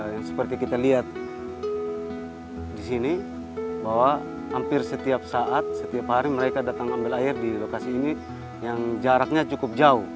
yang seperti kita lihat di sini bahwa hampir setiap saat setiap hari mereka datang ambil air di lokasi ini yang jaraknya cukup jauh